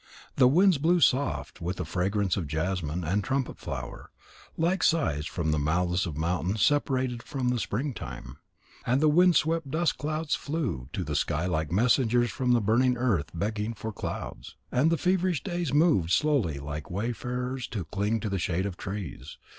The winds blew soft with the fragrance of jasmine and trumpet flower, like sighs from the mouths of mountains separated from the springtime. And wind swept dust clouds flew to the sky like messengers from the burning earth begging for clouds. And the feverish days moved slowly like wayfarers who cling to the shade of trees.